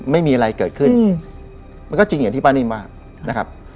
ไม่มีอะไรเกิดขึ้นมันก็จริงอย่างที่ป้านิ่มมากนะครับ